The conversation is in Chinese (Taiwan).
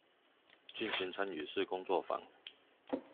進行參與式工作坊